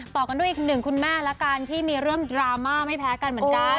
ต่อกันด้วยอีกหนึ่งคุณแม่ละกันที่มีเรื่องดราม่าไม่แพ้กันเหมือนกัน